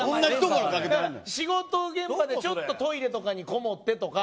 仕事現場でちょっとトイレとかにこもってとか